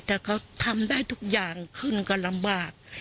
แต่เขาทำได้ทุกอย่างขึ้นก็ลำบาก